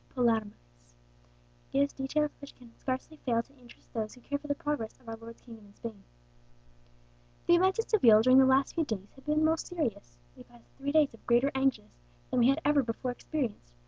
Palomares, gives details which can scarcely fail to interest those who care for the progress of our Lord's kingdom in Spain. "The events at Seville during the last few days have been most serious. We passed three days of greater anguish than we had ever before experienced.